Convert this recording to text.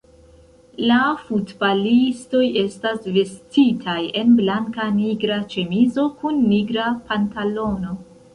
La futbalistoj estas vestitaj en blanka-nigra ĉemizo kun nigra pantalono.